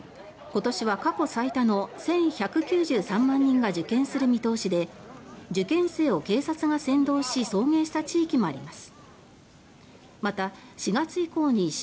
今年は過去最多の１１９３万人が受験する見通しで受験生を警察が先導し送迎した地域もあります。